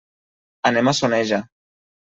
Anem a Soneja.